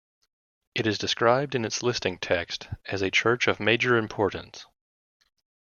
It is described in its listing text as "a church of major importance".